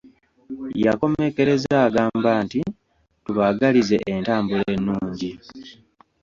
Yakomekereza agamba nti"tubaagalize entambula ennungi"